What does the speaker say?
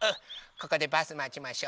ここでバスまちましょう。